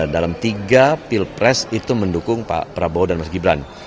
dalam tiga pilpres itu mendukung pak prabowo dan mas gibran